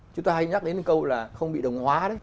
chúng ta hay nhắc đến câu là không bị đồng hóa đấy